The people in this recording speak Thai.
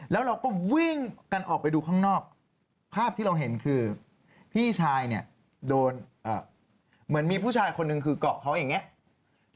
แล้วเราก็วิ่งกันออกไปดูข้างนอกภาพที่เราเห็นคือพี่ชายเนี่ยโดนเหมือนมีผู้ชายคนหนึ่งคือเกาะเขาอย่างนี้